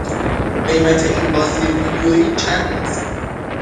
قیمت این بازی ویدیویی چند است؟